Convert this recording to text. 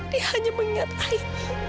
dia hanya mengingat aiku